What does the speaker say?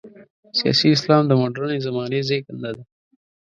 سیاسي اسلام د مډرنې زمانې زېږنده ده.